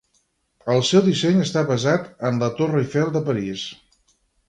El seu disseny està basat en la de la Torre Eiffel de París.